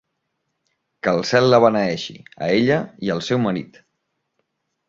Que el cel la beneeixi, a ella i al seu marit!